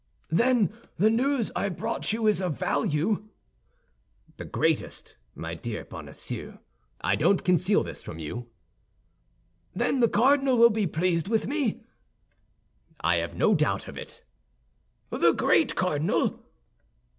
"Then the news I brought you is of value?" "The greatest, my dear Bonacieux; I don't conceal this from you." "Then the cardinal will be pleased with me?" "I have no doubt of it." "The great cardinal!"